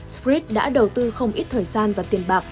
sprit đã đầu tư không ít thời gian và tiền bạc